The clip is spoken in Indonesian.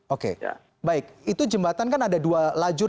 oke baik itu jembatan kan ada dua lajur